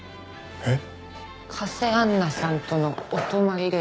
えっ？